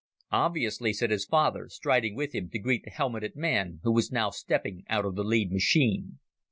"Obviously," said his father, striding with him to greet the helmeted man who was now stepping out of the lead machine.